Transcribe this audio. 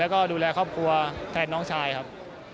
แล้วก็ดูแลครอบครัวแทนน้องชายครับ